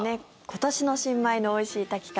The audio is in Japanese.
今年の新米のおいしい炊き方。